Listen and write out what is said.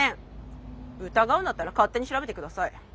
疑うんだったら勝手に調べて下さい。